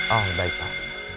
oh baik pak